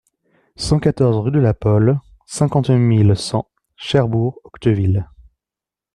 cent quatorze rue de la Polle, cinquante mille cent Cherbourg-Octeville